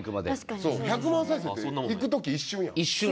１００万回再生っていくとき一瞬やん。